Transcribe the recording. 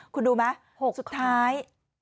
คุณดูไหม๖สุดท้าย